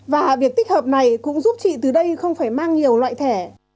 và việc tích hợp này cũng giúp chị từ đây không phải mang nhiều loại thẻ